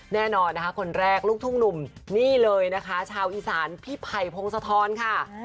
แน่นอนนะคะคนแรกลูกทุ่งหนุ่มนี่เลยนะคะชาวอีสานพี่ไผ่พงศธรค่ะ